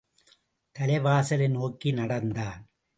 தலைவாசலை நோக்கி நடந்தான்.